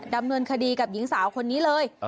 ดำเนินคดีกับหญิงสาวคนนี้เลย